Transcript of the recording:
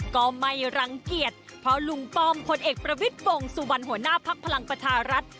ก็ไม่รังเกียจเพราะลุงป้อมพลเอกประวิทย์วงสุวรรณหัวหน้าภักดิ์พลังประชารัฐ